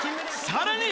さらに。